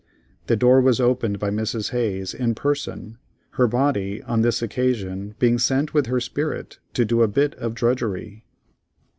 The door was opened by Mrs. Hayes in person, her body on this occasion being sent with her spirit to do a bit of drudgery.